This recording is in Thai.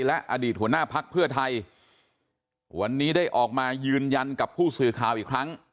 และอดีตหัวหน้าพักเพื่อไทยวันนี้ได้ออกมายืนยันกับผู้สื่อข่าวอีกครั้ง